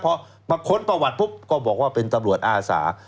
เพราะมาค้นประวัติพรุ่งเดียวก็บอกว่าเป็นตำรวจอาศา